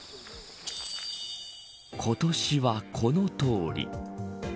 今年はこの通り。